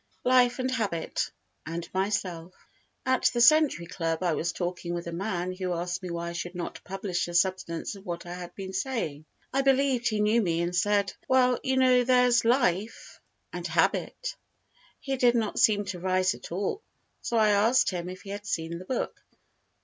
Life and Habit and Myself At the Century Club I was talking with a man who asked me why I did not publish the substance of what I had been saying. I believed he knew me and said: "Well, you know, there's Life and Habit." He did not seem to rise at all, so I asked him if he had seen the book.